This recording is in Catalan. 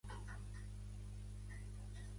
Un soci seu, Daniel Q.